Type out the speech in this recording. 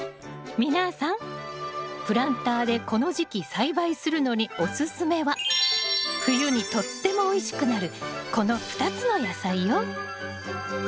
皆さんプランターでこの時期栽培するのにおすすめは冬にとってもおいしくなるこの２つの野菜よ。